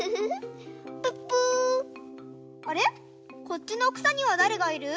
こっちのくさにはだれがいる？